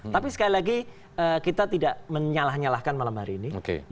tapi sekali lagi kita tidak menyalah nyalahkan malam hari ini